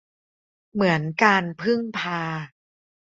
เหมือน การ พึ่ง พา